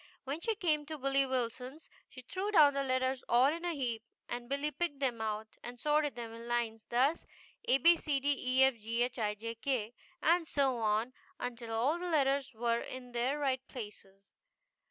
When she came to Billy Wilson's she threw down the letters all in a heap, and Billy picked them out and sorted them in lines, thus : ABCDEFGHIJK, abed efghij k, and so on until all the letters were in their right places.